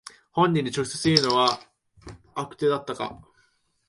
本人に直接言うのは悪手だったか